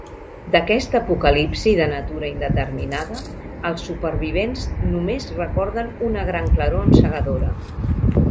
D’aquesta apocalipsi de natura indeterminada, els supervivents només recorden una gran claror encegadora.